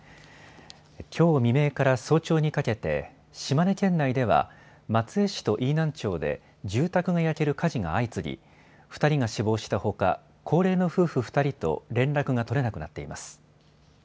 きょう未明から早朝にかけて島根県内では松江市と飯南町で住宅が焼ける火事が相次ぎ、２人が死亡したほか、高齢の夫婦２人と連絡が取れなくなっています。